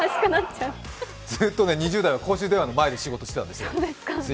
ずっとね、２０代は公衆電話の前で仕事してたんですよ。